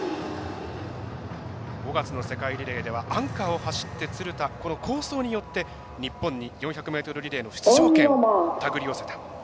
５月の世界リレーではアンカーを走って鶴田、好走によって日本に４００ｍリレーの出場権手繰り寄せた。